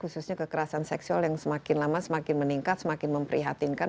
khususnya kekerasan seksual yang semakin lama semakin meningkat semakin memprihatinkan